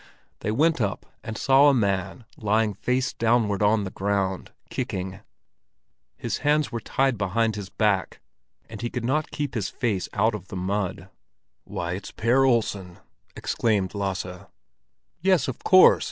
They went up and saw a man lying face downward on the ground, kicking; his hands were tied behind his back, and he could not keep his face out of the mud. "Why, it's Per Olsen!" exclaimed Lasse. "Yes, of course!"